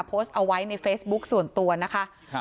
โพสต์เอาไว้ในเฟซบุ๊คส่วนตัวนะคะครับ